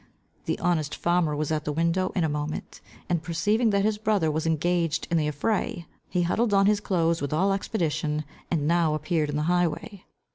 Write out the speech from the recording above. The honest farmer was at the window in a moment, and perceiving that his brother was engaged in the affray, he huddled on his clothes with all expedition, and now appeared in the highway.